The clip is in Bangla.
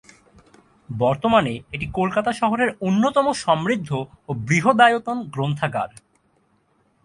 বর্তমানে এটি কলকাতা শহরের অন্যতম সমৃদ্ধ ও বৃহদায়তন গ্রন্থাগার।